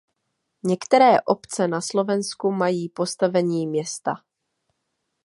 Některé obce na Slovensku mají postavení města.